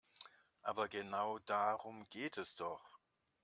Aber genau darum geht es doch.